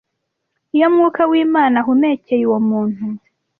iyo Mwuka w’Imana ahumekeye uwo muntu